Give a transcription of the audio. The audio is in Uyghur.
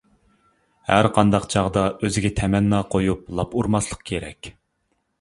ھەرقانداق چاغدا ئۆزىگە تەمەننا قويۇپ، لاپ ئۇرماسلىق كېرەك.